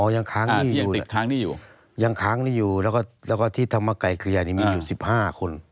อ๋อยังค้างหนี้อยู่อ่าที่ยังติดค้างหนี้อยู่ยังค้างหนี้อยู่แล้วก็แล้วก็ที่ธรรมไกรเกลี่ยนี่มีอยู่สิบห้าคน